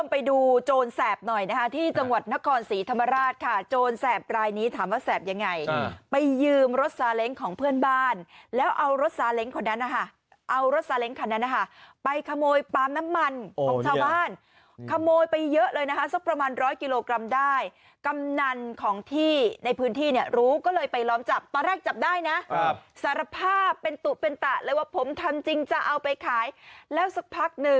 ไปดูโจรแสบหน่อยนะฮะที่จังหวัดนครสีธรรมราชค่ะโจรแสบรายนี้ถามว่าแสบยังไงไปยืมรถสาเล็งของเพื่อนบ้านแล้วเอารถสาเล็งคนนั้นนะฮะเอารถสาเล็งคนนั้นนะฮะไปขโมยปลามน้ำมันของชาวบ้านขโมยไปเยอะเลยนะฮะสักประมาณร้อยกิโลกรัมได้กำนันของที่ในพื้นที่เนี่ยรู้ก็เลยไปล้อมจับตอนแรกจับได้นะสารภาพ